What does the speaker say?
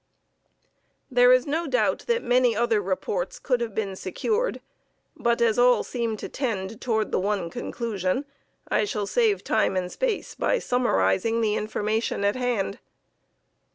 There is no doubt that many other reports could have been secured, but, as all seem to tend toward the one conclusion, I shall save time and space by summarizing the information at hand.